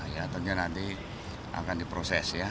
ya tentunya nanti akan diproses ya